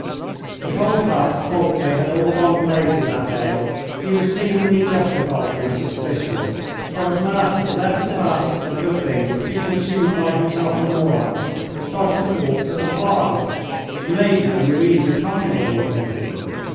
If Old Hucks thought they had all gone crazy that day he was seemingly justified in the suspicion, for his master left the baskets of good things to be consumed by himself and Nora and started to walk to the farm, the Major and Louise accompanying him.